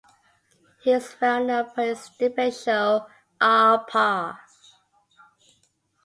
He is well known for his debate show "Aar Paar".